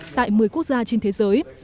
tại một mươi quốc gia trên thế giới